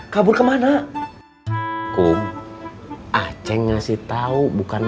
kabur kemana ak devotion tau bukan